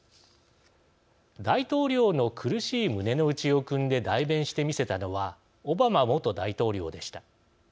大統領の苦しい胸の内をくんで代弁してみせたのはオバマ元大統領でした。